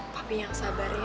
tapi yang sabar ya